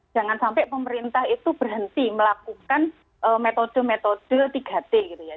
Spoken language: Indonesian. jangan sampai pemerintah itu berhenti melakukan metode metode tiga t gitu ya